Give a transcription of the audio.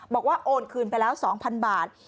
โอนคืนไปแล้ว๒๐๐๐บาท